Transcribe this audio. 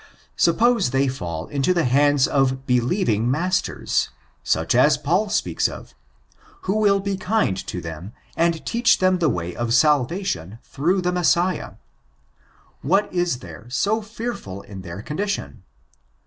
Suppose they fall into the hands of " believing masters," such as Paul speaks of, who will be kind to them, and teach them the way of salvation through the Messiah, what is there so fearful in their condition!